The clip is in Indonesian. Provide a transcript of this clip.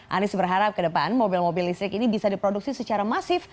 anies berharap ke depan mobil mobil listrik ini bisa diproduksi secara masif